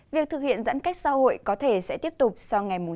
việc thực hiện giãn cách xã hội có thể sẽ tiếp tục sau ngày sáu chín